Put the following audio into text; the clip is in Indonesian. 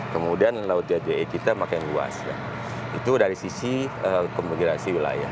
kemudian laut j kita makin luas itu dari sisi komitelasi wilayah